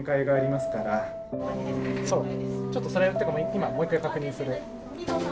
今もう一回確認する。